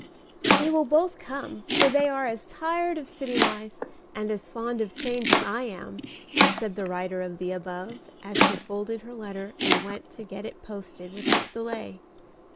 "They will both come, for they are as tired of city life and as fond of change as I am," said the writer of the above, as she folded her letter and went to get it posted without delay.